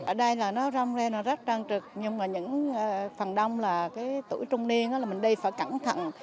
ở đây là nó rong ra nó rất trăng trực nhưng mà những phần đông là cái tuổi trung niên là mình đi phải cẩn thận